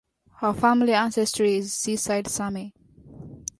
Her family ancestry is Seaside Sami.